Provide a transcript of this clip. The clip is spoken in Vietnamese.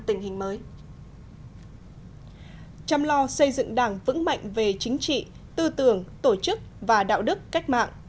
tình hình mới chăm lo xây dựng đảng vững mạnh về chính trị tư tưởng tổ chức và đạo đức cách mạng